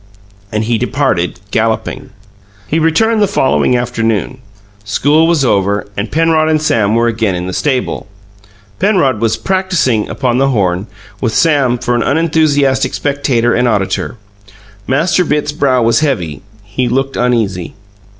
And he departed, galloping. ... He returned the following afternoon. School was over, and Penrod and Sam were again in the stable; Penrod "was practising" upon the horn, with Sam for an unenthusiastic spectator and auditor. Master Bitts' brow was heavy; he looked uneasy.